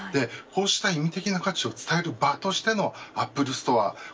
こうした意味的な価値を伝える場としてのアップルストア